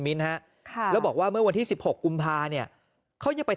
ฮะค่ะแล้วบอกว่าเมื่อวันที่สิบหกกุมภาเนี่ยเขายังไป